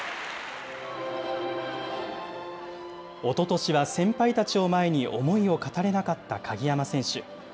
おととしは先輩たちを前に思いを語れなかった鍵山選手。